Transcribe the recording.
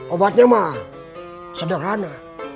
obatnya mah sederhana